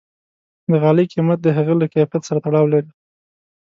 د غالۍ قیمت د هغې له کیفیت سره تړاو لري.